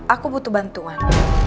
aku butuh bantuan